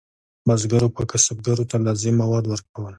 بزګرو به کسبګرو ته لازم مواد ورکول.